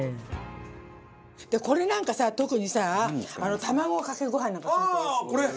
これなんかさ特にさ卵かけご飯なんかにするとおいしい。